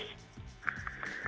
kalau memediasi tertulis